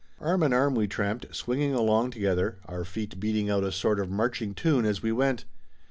Arm in arm we tramped, swinging along together, our feet beating out a sort of marching tune as we went.